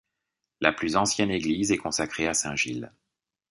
La plus ancienne église est consacrée à saint Gilles.